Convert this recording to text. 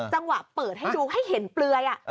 จังหวะเปิดให้ดูให้เห็นเปลือย